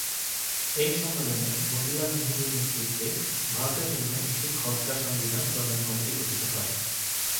এ সম্মেলনে মতিলাল নেহেরুর নেতৃত্বে ভারতের জন্য একটি খসড়া সংবিধান প্রণয়ন কমিটি গঠিত হয়।